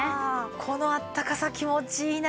このあったかさ気持ちいいな。